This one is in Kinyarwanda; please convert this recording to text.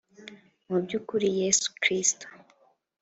Mu by ukuri yesu kristo